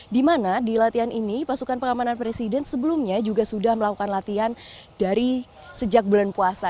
di mana di latihan ini pasukan pengamanan presiden sebelumnya juga sudah melakukan latihan dari sejak bulan puasa